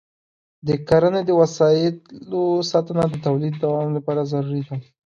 د کرني د وسایلو ساتنه د تولید دوام لپاره ضروري ده.